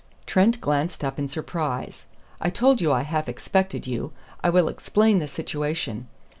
Trent glanced up in surprise. "I told you I half expected you. I will explain the situation.